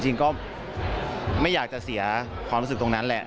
จริงก็ไม่อยากจะเสียความรู้สึกตรงนั้นแหละ